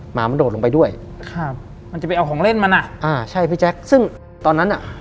หมามันโดดลงไปด้วยครับมันจะไปเอาของเล่นมันอ่ะอ่าใช่พี่แจ๊คซึ่งตอนนั้นอ่ะ